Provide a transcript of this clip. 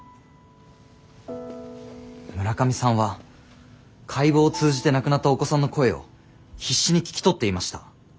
村上さんは解剖を通じて亡くなったお子さんの声を必死に聞き取っていました。